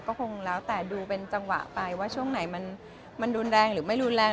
ก็คงแล้วแต่ดูเป็นจังหวะไปว่าช่วงไหนมันรุนแรงหรือไม่รุนแรง